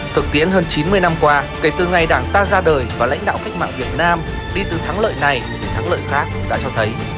thực tiễn hơn chín mươi năm qua kể từ ngày đảng ta ra đời và lãnh đạo cách mạng việt nam đi từ thắng lợi này đến thắng lợi khác đã cho thấy